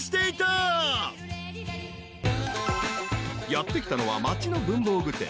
［やって来たのは町の文房具店］